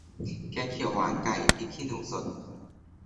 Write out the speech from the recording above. แกงเขียวหวานไก่พริกขี้หนูสด